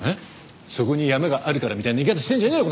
「そこに山があるから」みたいな言い方してんじゃねえよ！